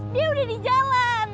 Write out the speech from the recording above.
dia udah di jalan